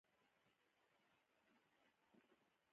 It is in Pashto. افغانستان د خپلو دځنګل حاصلاتو لپاره په نړۍ کې مشهور دی.